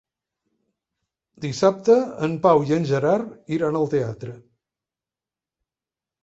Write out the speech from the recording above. Dissabte en Pau i en Gerard iran al teatre.